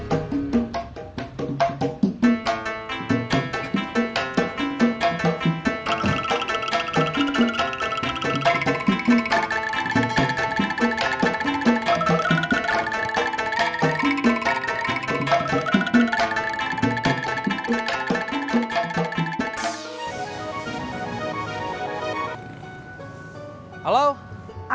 kacau bagaimana barengnya